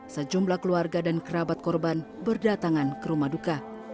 sejumlah keluarga dan kerabat korban berdatangan ke rumah duka